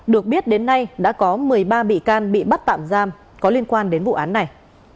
được biết đến nay đã có một mươi ba bị can bị bắt tạm giam có liên quan đến vụ án này